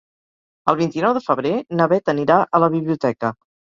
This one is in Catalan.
El vint-i-nou de febrer na Bet anirà a la biblioteca.